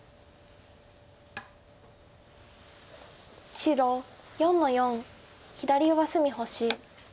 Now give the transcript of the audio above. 白４の四左上隅星。